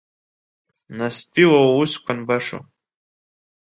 Настәи уа уусқәа анбашоу…